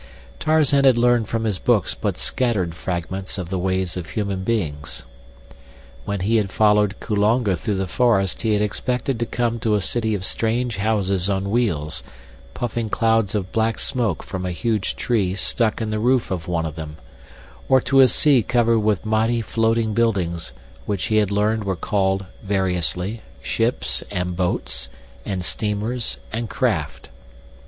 Tarzan had learned from his books but scattered fragments of the ways of human beings. When he had followed Kulonga through the forest he had expected to come to a city of strange houses on wheels, puffing clouds of black smoke from a huge tree stuck in the roof of one of them—or to a sea covered with mighty floating buildings which he had learned were called, variously, ships and boats and steamers and craft.